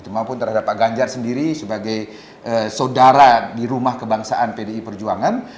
maupun terhadap pak ganjar sendiri sebagai saudara di rumah kebangsaan pdi perjuangan